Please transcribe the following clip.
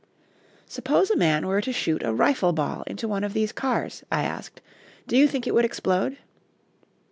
"Suppose a man were to shoot a rifle ball into one of these cars," I asked, "do you think it would explode?"